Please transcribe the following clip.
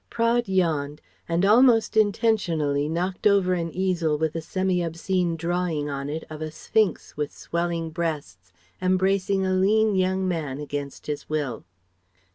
Praed yawned, and almost intentionally knocked over an easel with a semi obscene drawing on it of a Sphynx with swelling breasts embracing a lean young man against his will.